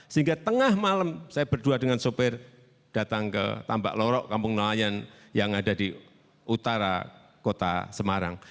sehingga tengah malam saya berdua dengan sopir datang ke tambak lorok kampung nelayan yang ada di utara kota semarang